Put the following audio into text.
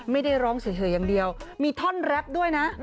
ไม่ได้ร้องเฉยอย่างเดียวมีท่อนแรปด้วยนะ